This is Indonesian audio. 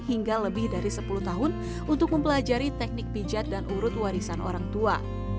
hingga lebih dari sepuluh tahun untuk mempelajari teknik pijat dan urut warisan orang tua